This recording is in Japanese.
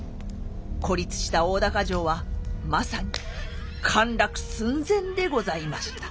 孤立した大高城はまさに陥落寸前でございました。